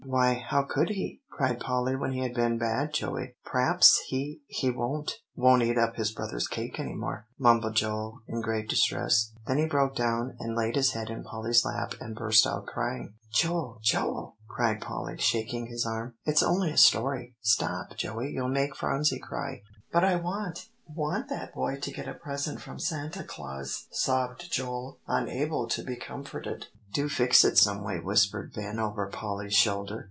"Why, how could he?" cried Polly, "when he had been bad, Joey?" "P'raps he he won't won't eat up his brother's cake any more?" mumbled Joel, in great distress. Then he broke down, and laid his head in Polly's lap, and burst out crying. [Illustration: Joel laid his head in Polly's lap and burst out crying.] "Joel Joel!" cried Polly, shaking his arm, "it's only a story. Stop, Joey, you'll make Phronsie cry." "But I want want that boy to get a present from Santa Claus," sobbed Joel, unable to be comforted. "Do fix it some way," whispered Ben over Polly's shoulder.